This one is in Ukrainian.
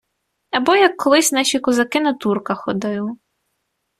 - Або як колись наші козаки на турка ходили.